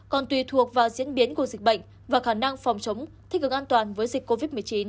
còn tùy thuộc vào diễn biến của dịch bệnh và khả năng phòng chống thích ứng an toàn với dịch covid một mươi chín